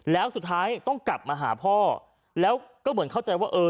แล้วสุดท้ายต้องกลับมาหาพ่อแล้วก็เหมือนเข้าใจว่าเออ